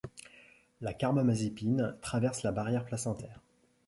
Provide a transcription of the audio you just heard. La carbamazépine traverse la barrière placentaire.